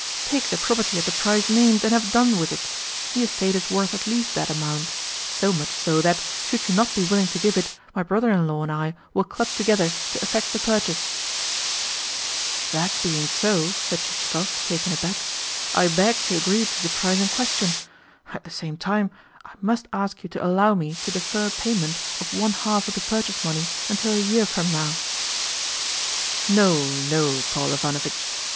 "Take the property at the price named, and have done with it. The estate is worth at least that amount so much so that, should you not be willing to give it, my brother in law and I will club together to effect the purchase." "That being so," said Chichikov, taken aback, "I beg to agree to the price in question. At the same time, I must ask you to allow me to defer payment of one half of the purchase money until a year from now." "No, no, Paul Ivanovitch.